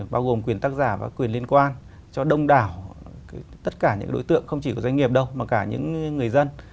bao gồm quyền tác giả và quyền liên quan cho đông đảo tất cả những đối tượng không chỉ của doanh nghiệp đâu mà cả những người dân